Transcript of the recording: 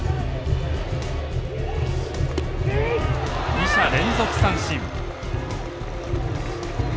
２者連続三振。